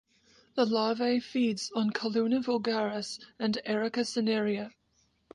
The larvae feeds on "Calluna vulgaris" and "Erica cinerea".